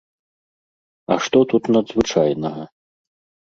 А што тут надзвычайнага?